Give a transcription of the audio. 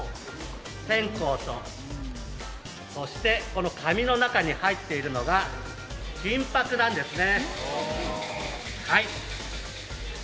そしてこの紙の中に入っているのが金箔なんですね